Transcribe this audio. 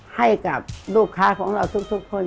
ให้กับลูกค้าของเราทุกคน